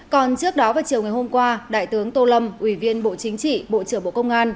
còn trước đó vào chiều ngày hôm qua đại tướng tô lâm ủy viên bộ chính trị bộ trưởng bộ công an